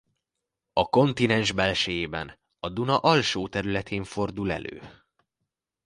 A kontinens belsejében a Duna alsó területén fordul elő.